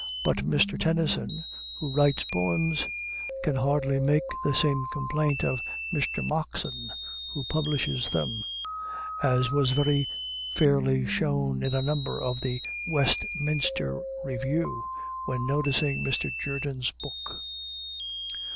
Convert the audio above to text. But Mr. Tennyson, who writes poems, can hardly make the same complaint of Mr. Moxon, who publishes them, as was very fairly shown in a number of the Westminster Review, when noticing Mr. Jerdan's book.